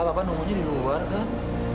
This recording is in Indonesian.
apa nunggunya di luar kan